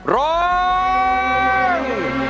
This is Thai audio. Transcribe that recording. ร้อง